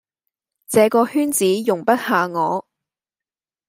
這個圈子容不下我